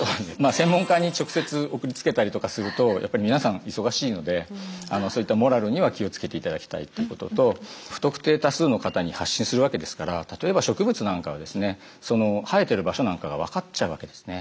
専門家に直接送りつけたりとかするとやっぱり皆さん忙しいのでそういったモラルには気を付けて頂きたいということと不特定多数の方に発信するわけですから例えば植物なんかはですね生えてる場所なんかが分かっちゃうわけですね。